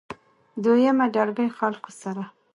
دويمه ډلګۍ خلکو سره